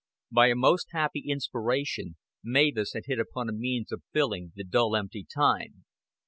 By a most happy inspiration Mavis had hit upon a means of filling the dull empty time.